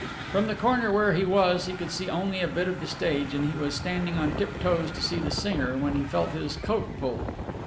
From the corner where he was he could see only a bit of the stage, and he was standing on tiptoes to see the singer when he felt his coat pulled.